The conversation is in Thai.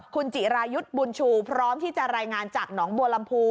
คุณจิรายุทธ์บุญชูพร้อมที่จะรายงานจากหนองบัวลำพู